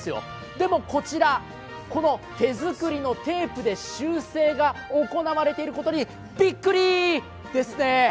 でもこちら、手作りのテープで修正が行われていることにびっくりー！ですね。